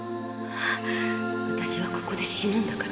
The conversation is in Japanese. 私はここで死ぬんだから。